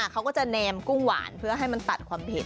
เขาก็จะแนมกุ้งหวานเพื่อให้มันตัดความเผ็ด